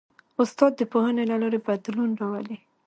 استاد د پوهنې له لارې بدلون راولي.